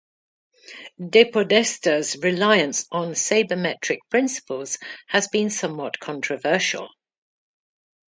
DePodesta's reliance on sabermetric principles has been somewhat controversial.